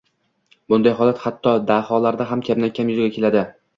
Bunday holat hatto daholarda ham kamdan kam yuzaga keladi